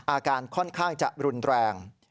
อาการค่อนข้างจะรุนแรง